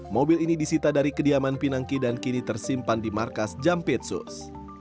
mobil ini disita dari kediaman pinangki dan kini tersimpan di markas jampitsus